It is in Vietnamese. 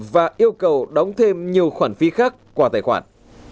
và yêu cầu đóng thêm nhiều khoản phí khác qua tài khoản